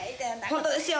本当ですよ。